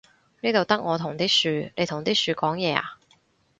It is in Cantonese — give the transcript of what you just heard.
呢度得我同啲樹，你同啲樹講嘢呀？